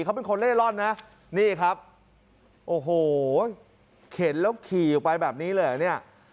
เขาเป็นคนเล่ร่อนนะนี่ครับโอ้โหเข็นแล้วขี่ออกไปแบบนี้เลยเหรอเนี่ย